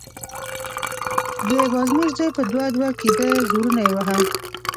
د بازمير زوی په دوه_ دوه کېده، زورونه يې وهل…